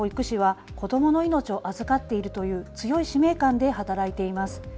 多くの保育士は子どもの命を預かっているという強い使命感で働いています。